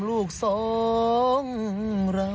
สวัสดีครับ